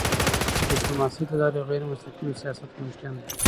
د ډيپلوماسی له لارې غیرمستقیم سیاست ممکن دی.